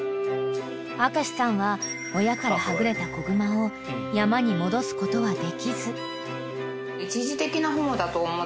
［明さんは親からはぐれた子熊を山に戻すことはできず］